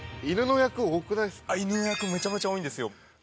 犬の役めちゃめちゃ多いんですよ。